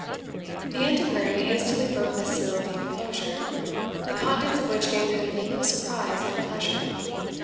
The Antiquary hastily broke the seal of the enclosure, the contents of which gave him equal surprise and pleasure.